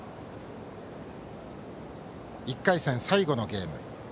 １回戦、最後のゲーム。